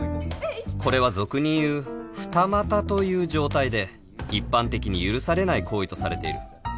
これは俗に言う二股という状態で一般的に許されない行為とされている